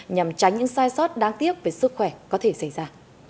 nhằm tránh những sai sót đáng tiếc về sức khỏe có thể xảy ra